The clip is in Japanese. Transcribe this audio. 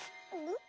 ん？